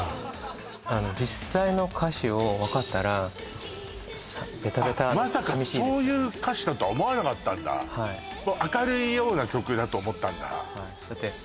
実際の歌詞を分かったらまさかそういう歌詞だとは思わなかったんだ明るいような曲だと思ったんだだって